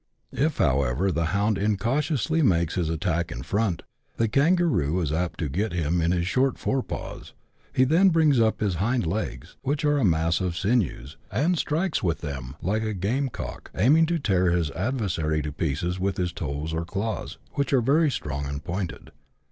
If, however, the hound incautiously makes his attack in front, the kangaroo is apt to get him in his short fore paws ; he then brings up his hind legs, which are a mass of sinews, and strikes with them like a game cock, aiming to tear his adversary to pieces with his toes or claws, which are very strong and pointed.